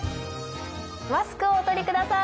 マスクをお取りください。